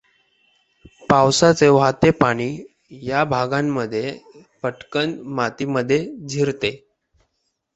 पावसाचे वाहते पाणी या भागांमध्ये पटकन मातीमध्ये जिरते.